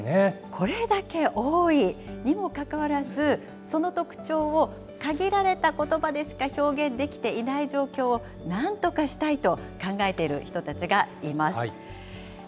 これだけ多いにもかかわらず、その特徴を限られたことばでしか表現できていない状況をなんとかしたいと考えている人たちがいます。